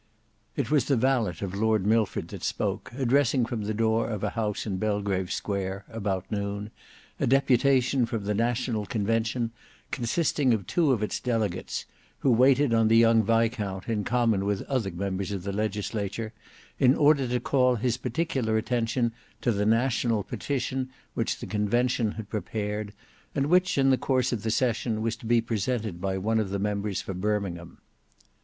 It was the valet of Lord Milford that spoke, addressing from the door of a house in Belgrave Square, about noon, a deputation from the National Convention, consisting of two of its delegates, who waited on the young viscount in common with other members of the legislature, in order to call his particular attention to the National Petition which the Convention had prepared, and which in the course of the session was to be presented by one of the members for Birmingham.